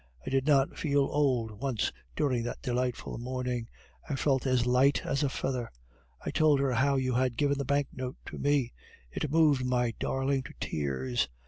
I did not feel old once during that delightful morning; I felt as light as a feather. I told her how you had given the banknote to me; it moved my darling to tears.